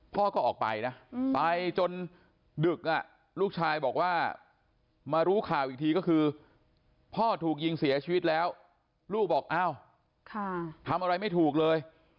พ่อก็ออกไปนะไปจนดึกลูกชายบอกว่ามารู้ข่าวอีกทีก็คือพ่อถูกยิงเสียชีวิตแล้วลูกบอกอ้าวทำอะไรไม่ถูกเลย